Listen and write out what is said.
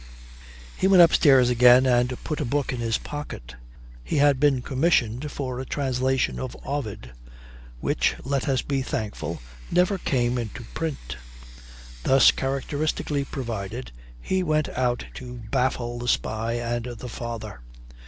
He went upstairs again and put a book in his pocket. (He had been commissioned for a translation of Ovid, which, let us be thankful, never came into print.) Thus characteristically provided, he went out to baffle the spy and the father.